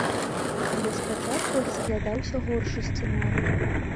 Але спачатку разглядаўся горшы сцэнарый.